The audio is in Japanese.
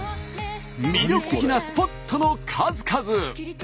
魅力的なスポットの数々！